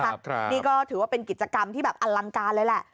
ครับนี่ก็ถือว่าเป็นกิจกรรมที่แบบอลังการเลยแหละ